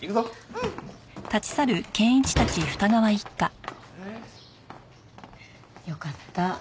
うん！よかった。